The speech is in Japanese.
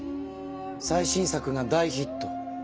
最新作が大ヒット。